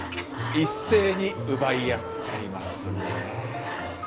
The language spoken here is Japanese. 一斉に奪い合っていますね。